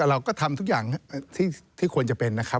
เราก็ทำทุกอย่างที่ควรจะเป็นนะครับ